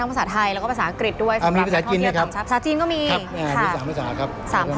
มีภาษาจีนก็ครับภาษาจีนก็มีมี๓ภาษาครับ